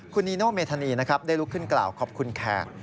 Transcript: คุณนีโนเมธานีนะครับได้ลุกขึ้นกล่าวขอบคุณแขก